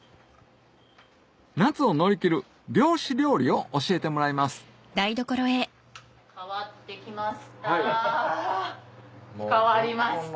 夏を乗り切る漁師料理を教えてもらいます変わって来ました